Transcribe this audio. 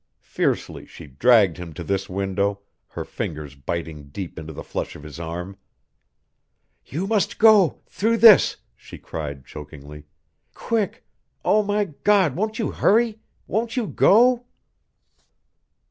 Fiercely she dragged him to this window, her fingers biting deep into the flesh of his arm. "You must go through this!" she cried chokingly. "Quick! O, my God, won't you hurry? Won't you go?"